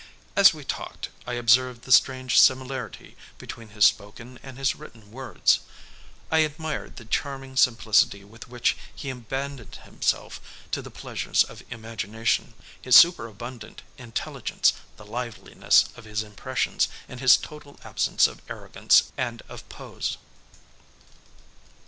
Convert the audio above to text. As we talked I observed the strange similarity between his spoken and his written words. I admired the charming simplicity with which he abandoned himself to the pleasures of imagination, his superabundant intelligence, the liveliness of his impressions and his total absence of arrogance and of pose.